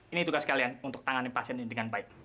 ini tugas kalian untuk tangani pasien ini dengan baik